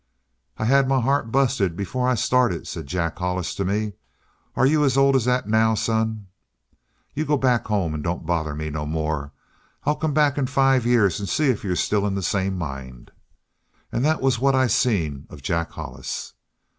"I'd had my heart busted before I started,' says Jack Hollis to me. 'Are you as old as that, son? You go back home and don't bother me no more. I'll come back in five years and see if you're still in the same mind!' "And that was what I seen of Jack Hollis.